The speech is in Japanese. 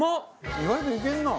意外といけるな。